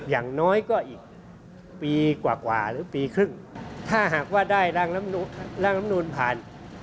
อย่างน้อยก็อีกปีกว่าหรือปีครึ่งถ้าหากว่าได้ร่างลำนูนผ่าน